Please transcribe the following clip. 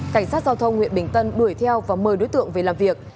cảnh sát giao thông huyện bình tân đuổi theo và mời đối tượng về làm việc